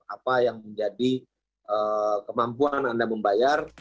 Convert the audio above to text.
apa yang menjadi kemampuan anda membayar